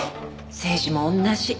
政治も同じ。